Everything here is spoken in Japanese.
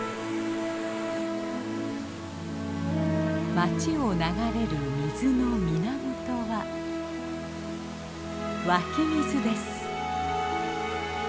街を流れる水の源は湧き水です。